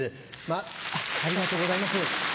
ありがとうございます。